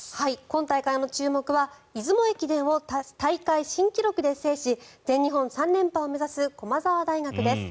今大会の注目は出雲駅伝を大会新記録で制し全日本３連覇を目指す駒澤大学です。